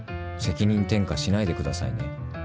「責任転嫁しないでくださいね」